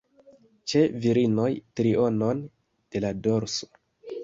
Ĉe virinoj, trionon de la dorso.